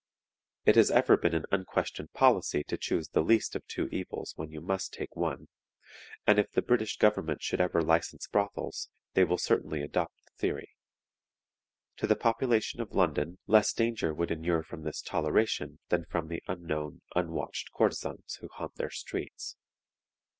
It has ever been an unquestioned policy to choose the least of two evils when you must take one, and if the British government should ever license brothels, they will certainly adopt the theory. To the population of London less danger would inure from this toleration than from the unknown, unwatched courtesans who haunt their streets.